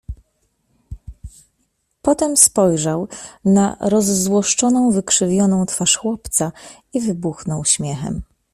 Potem spojrzał na rozzłoszczoną, wykrzywioną twarz chłopca i wybuchnął śmiechem.